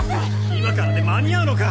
今からで間に合うのか？